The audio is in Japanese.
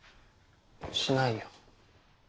しないよ。